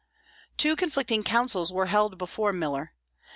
Two conflicting councils were held before Miller.